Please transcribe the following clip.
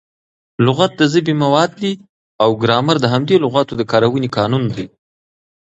لغت د ژبي مواد دي او ګرامر د همدې لغاتو د کاروني قانون دئ.